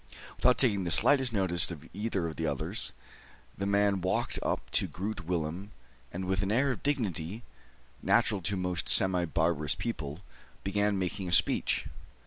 Without taking the slightest notice of either of the others, the man walked up to Groot Willem, and, with an air of dignity, natural to most semi barbarous people, began making a speech.